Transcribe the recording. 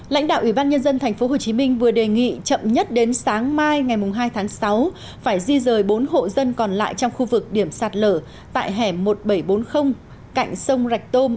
lãnh đạo ủy ban nhân dân tp hcm vừa đề nghị chậm nhất đến sáng mai ngày hai tháng sáu phải di rời bốn hộ dân còn lại trong khu vực điểm sạt lở tại hẻm một nghìn bảy trăm bốn mươi cạnh sông rạch tôm